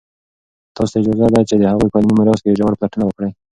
تاسو ته اجازه ده چې د هغوی په علمي میراث کې ژوره پلټنه وکړئ.